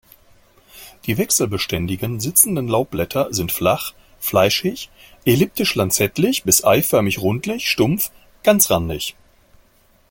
Die wechselständigen, sitzenden Laubblätter sind flach, fleischig, elliptisch-lanzettlich bis eiförmig-rundlich, stumpf, ganzrandig.